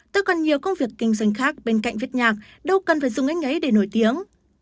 tôi còn nhiều công việc kinh doanh khác bên cạnh viết nhạc đâu cần phải dùng anh ấy để nổi tiếng